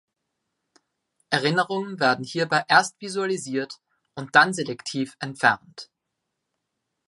Erinnerungen werden hierbei erst visualisiert und dann selektiv entfernt.